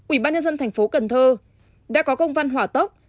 ủy ban nhân dân thành phố cần thơ đã có công văn hỏa tốc